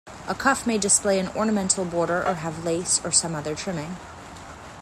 A cuff may display an ornamental border or have lace or some other trimming.